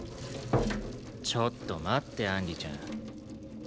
ちょっと待ってアンリちゃん。